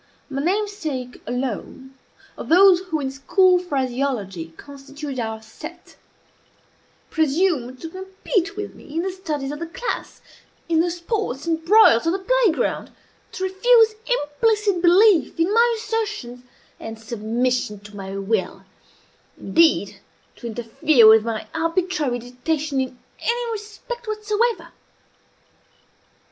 My namesake alone, of those who in school phraseology constituted "our set," presumed to compete with me in the studies of the class in the sports and broils of the play ground to refuse implicit belief in my assertions, and submission to my will indeed, to interfere with my arbitrary dictation in any respect whatsoever.